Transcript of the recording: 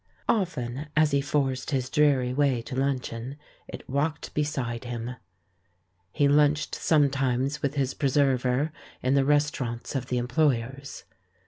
Often, as he forced his dreary way to luncheon, it walked beside him. He lunched sometimes with his preserver in the restaurants of the Employ ers.